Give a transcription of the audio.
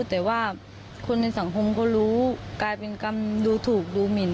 แต่ว่าคนในสังคมก็รู้กลายเป็นกรรมดูถูกดูหมิน